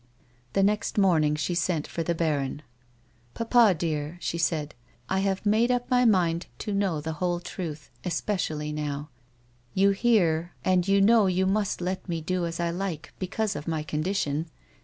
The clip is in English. The next morning she sent for the baron. " Papa dear," she said ;" I have made up my mind to know the whole truth ; especially now. You hear, I will know it, and you know, you must let me do as I like, be cause of my condition.